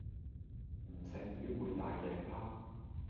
唔食魚會大頸泡